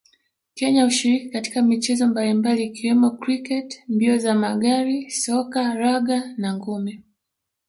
Kenya hushiriki katika michezo mbalimbali ikiwemo kriketi mbio za magari soka raga na ngumi